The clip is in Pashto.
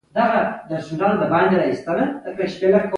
په کور کي هغه څوک ارزښت نلري چي ګټه نلري.